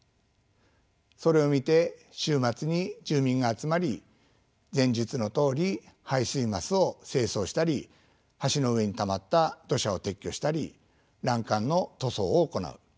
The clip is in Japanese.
それを見て週末に住民が集まり前述のとおり排水桝を清掃したり橋の上にたまった土砂を撤去したり欄干の塗装を行う。